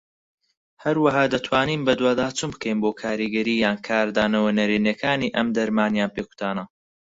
هەروەها دەتوانین بەدواداچوون بکەین بۆ کاریگەریی یان کاردانەوە نەرێنیەکانی ئەم دەرمان یان پێکوتانە.